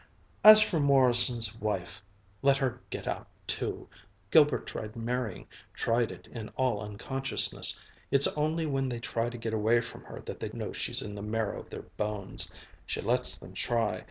"As for Morrison's wife ... let her get out too. Gilbert tried marrying, tried it in all unconsciousness. It's only when they try to get away from her that they know she's in the marrow of their bones. She lets them try.